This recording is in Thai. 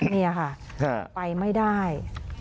นี่ค่ะไปไม่ได้